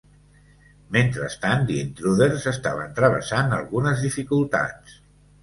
Mentrestant, The Intruders estaven travessant algunes dificultats.